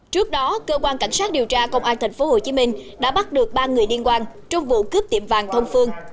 trước đó cơ quan cảnh sát điều tra công an tp hcm đã bắt được ba người liên quan trong vụ cướp tiệm vàng thông phương